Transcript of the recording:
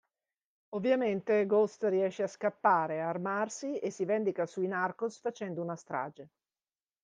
Ovviamente Ghost riesce a scappare, armarsi e si vendica sui narcos facendo una strage.